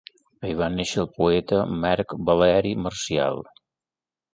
Hi va néixer el poeta Marc Valeri Marcial.